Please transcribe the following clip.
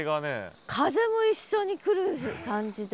風も一緒に来る感じで。